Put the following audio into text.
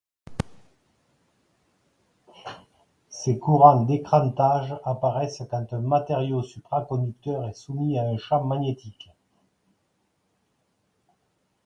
Ces courants d'écrantage apparaissent quand un matériau supraconducteur est soumis à un champ magnétique.